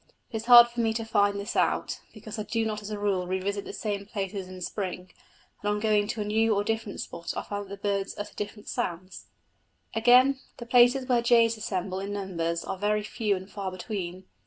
It is hard for me to find this out, because I do not as a rule revisit the same places in spring, and on going to a new or a different spot I find that the birds utter different sounds. Again, the places where jays assemble in numbers are very few and far between.